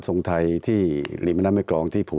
ตั้งแต่เริ่มมีเรื่องแล้ว